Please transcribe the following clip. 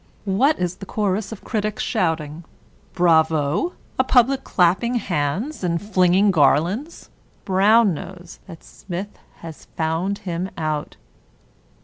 What is the chorus of critics shouting " Bravo "?— a public clapping hands and flinging garlands? Brown knows that Smith has found him out.